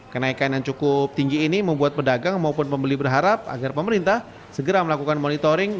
kenaikan yang cukup tinggi ini membuat pedagang maupun pembeli berharap agar pemerintah segera melakukan monitoring